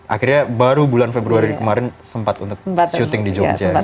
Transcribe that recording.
akhirnya baru bulan februari kemarin sempat untuk syuting di jogja